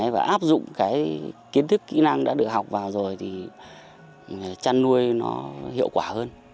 và áp dụng cái kiến thức kỹ năng đã được học vào rồi thì chăn nuôi nó hiệu quả hơn